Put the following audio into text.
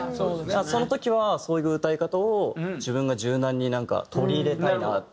その時はそういう歌い方を自分が柔軟に取り入れたいなって。